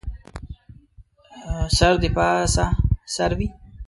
سر دې پاسه سر وي